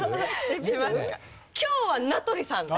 今日は名取さん！